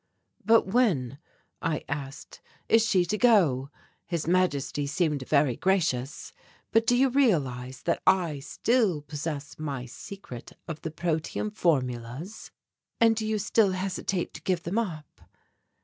"But when," I asked, "is she to go? His Majesty seemed very gracious, but do you realize that I still possess my secret of the protium formulas?" "And do you still hesitate to give them up?"